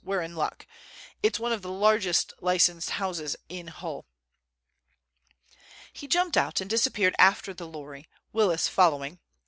"We're in luck. It's one of the largest licensed houses in Hull." He jumped out and disappeared after the lorry, Willis following.